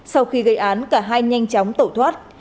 sau khi gây án cả hai nhanh chóng tẩu thoát